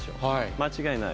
間違いない。